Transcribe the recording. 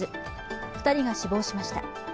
２人が死亡しました。